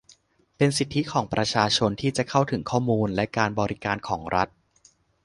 เป็นสิทธิของประชาชนที่จะเข้าถึงข้อมูลและการบริการของรัฐ